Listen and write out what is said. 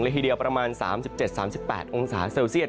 ทีเดียวประมาณ๓๗๓๘องศาเซลเซียต